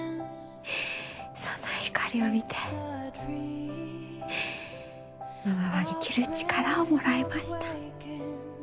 そんなひかりを見てママは生きる力をもらいました。